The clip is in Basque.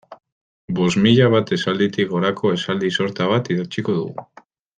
Bost mila bat esalditik gorako esaldi sorta bat idatziko dugu.